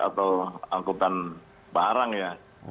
atau angkutan barang ya